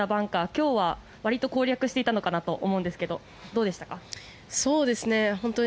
今日はわりと攻略していたのかなと思うんですけど、どうでしたか？